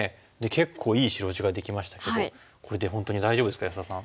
結構いい白地ができましたけどこれで本当に大丈夫ですか安田さん。